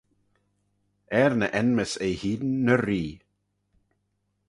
Er ny enmys eh-hene ny ree.